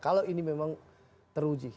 kalau ini memang teruji